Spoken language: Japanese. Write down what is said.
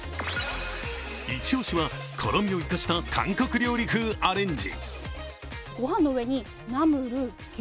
イチオシは辛みを生かした韓国料理風アレンジ。